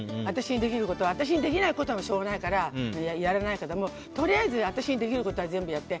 私にできないことはしょうがないからやらないけれども、とりあえず私にできることは全部やって。